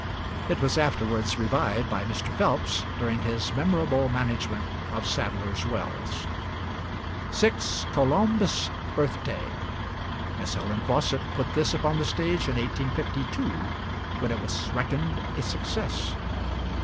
It was afterwards revived by Mr. Phelps, during his "memorable management" of Sadlers' Wells. 6. 'Colombe's Birthday.' Miss Helen Faucit put this upon the stage in 1852, when it was reckoned a success.